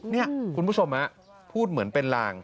นี่คุณผู้ชมพูดเหมือนเป็นลาง